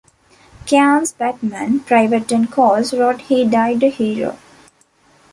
Cairns's batman, Private N. Coales wrote He died a hero.